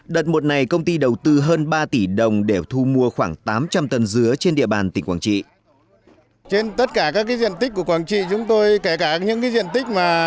đợt một này công ty đầu tư hơn ba tỷ đồng để thu mua khoảng tám trăm linh tấn dứa trên địa bàn tỉnh quảng trị